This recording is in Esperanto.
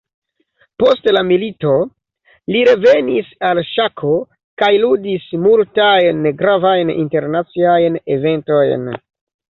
Post la milito, li revenis al ŝako kaj ludis multajn gravajn internaciajn eventojn.